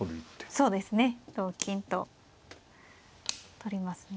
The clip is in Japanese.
そうですね同金と取りますね。